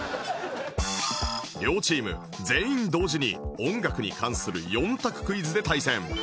両チーム全員同時に音楽に関する４択クイズで対戦